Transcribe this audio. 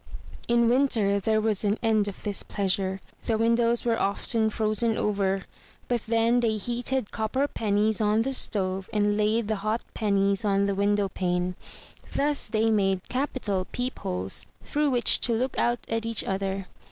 In winter there was an end of this pleasure. The windows were often frozen over; but then they heated copper pennies on the stove, and laid the hot pennies on the window pane. Thus they made capital peep holes through which to look out at each other.